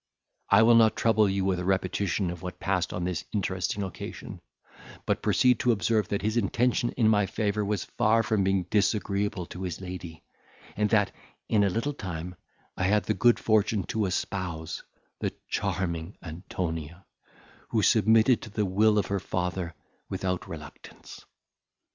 I will not trouble you with a repetition of what passed on this interesting occasion, but proceed to observe, that his intention in my favour was far from being disagreeable to his lady; and that, in a little time, I had the good fortune to espouse the charming Antonia, who submitted to the will of her father without reluctance.